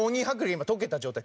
今溶けた状態。